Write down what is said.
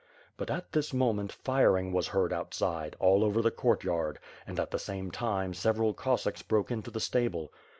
But at this moment, firing was heard outside, all over the courtyard and, at the same time, several Cossacks broke into the stable.